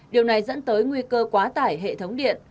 điều này dẫn tới nguy cơ quá tải hệ thống điện